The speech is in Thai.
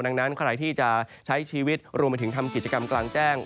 ดังนั้นใครที่จะใช้ชีวิตรวมไปถึงทำกิจกรรมกลางแจ้ง